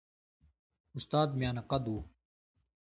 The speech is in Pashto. استاد میانه قده وو.